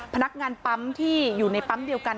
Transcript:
พนักงานปั๊มที่อยู่ในปั๊มเดียวกัน